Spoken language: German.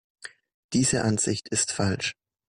Diese Ansicht ist falsch.